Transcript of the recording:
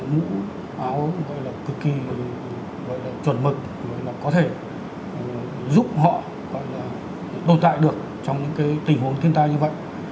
mũ áo gọi là cực kỳ chuẩn mực có thể giúp họ tồn tại được trong những tình huống thiên tai như vậy